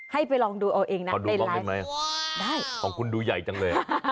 ให้ไปลองดูเอาเองนะเป็นไลฟ์กันได้คุณดูใหญ่จังเลย